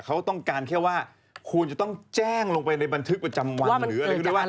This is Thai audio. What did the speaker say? เขาต้องการแค่ว่าคูณจะต้องแจ้งลงไปในบันทึกประจำวัน